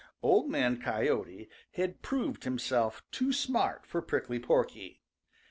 Old Man Coyote had proved himself too smart for Prickly Porky.